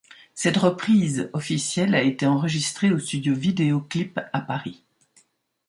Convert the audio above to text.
Cette reprise officielle a été enregistrée au studio Video Clip à Paris.